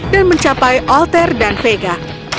dan mencapai alter dan vega